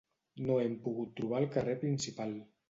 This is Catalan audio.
No hem pogut trobar el carrer principal.